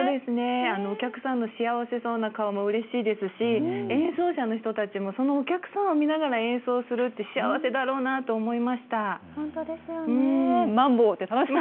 お客さんの幸せそうな顔もうれしいですし演奏者の方もそのお客さんの顔を見て演奏するって幸せだろうなと思いました。